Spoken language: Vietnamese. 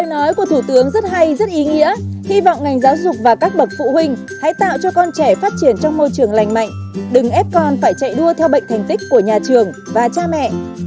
câu nói của thủ tướng rất hay rất ý nghĩa hy vọng ngành giáo dục và các bậc phụ huynh hãy tạo cho con trẻ phát triển trong môi trường lành mạnh đừng ép con phải chạy đua theo bệnh thành tích của nhà trường và cha mẹ